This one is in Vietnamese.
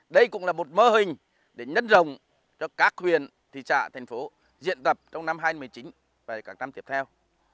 đây cũng là một mơ hình để nhân rồng cho các huyền thị trạng thành phố diện tập trong năm hai nghìn một mươi chín và cả năm tiếp theo